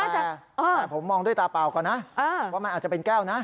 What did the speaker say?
แต่ผมมองด้วยตาเปล่าก่อนนะว่ามันอาจจะเป็นแก้วนะ